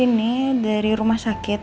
ini dari rumah sakit